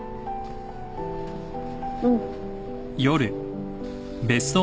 うん。